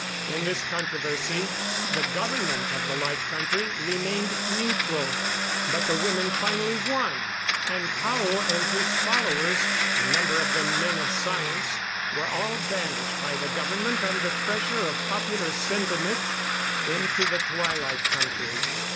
In this controversy the government of the Light Country remained neutral. But the women finally won, and Tao and his followers, a number of them men of science, were all banished by the government, under pressure of popular sentiment, into the Twilight Country.